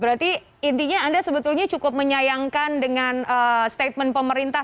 berarti intinya anda sebetulnya cukup menyayangkan dengan statement pemerintah